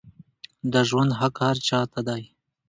د ژوند حق هر چا ته دی